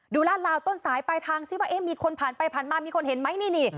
ลาดลาวต้นสายปลายทางซิว่ามีคนผ่านไปผ่านมามีคนเห็นไหมนี่